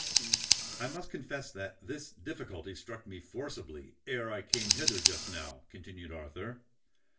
"I must confess that this difficulty struck me forcibly ere I came hither just now," continued Arthur.